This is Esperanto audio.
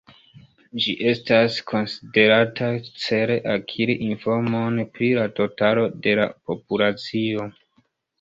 Ĝi estas konsiderata cele akiri informon pri la totalo de la populacio.